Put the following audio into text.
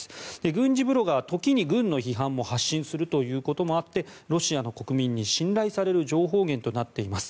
軍事ブロガーは時に軍の批判も発信することもあってロシアの国民に信頼される情報源となっています。